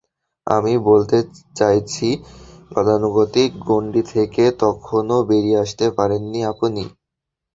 আমি বলতে চাইছি, গতানুগতিক গণ্ডি থেকে তখনো বেরিয়ে আসতে পারেননি আপনি।